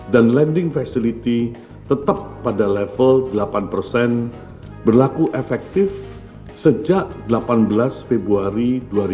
dan lending facility tetap pada level delapan berlaku efektif sejak delapan belas februari dua ribu lima belas